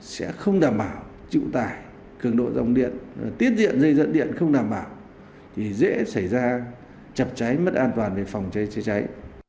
sẽ không đảm bảo chịu tải cường độ dòng điện tiết diện dây dẫn điện không đảm bảo thì dễ xảy ra chập cháy mất an toàn về phòng cháy chữa cháy